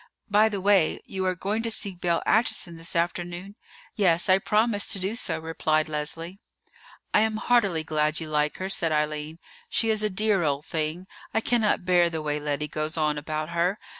"By the way, you are going to see Belle Acheson this afternoon?" "Yes; I promised to do so," replied Leslie. "I am heartily glad you like her," said Eileen; "she is a dear old thing. I cannot bear the way Lettie goes on about her.